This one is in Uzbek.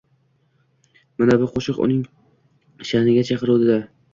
Manavi qoʼshiq uning shaʼniga chiquvdi-da: